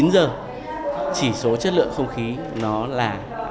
chín giờ chỉ số chất lượng không khí nó là chín mươi